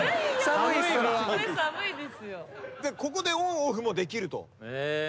ここでオンオフもできると。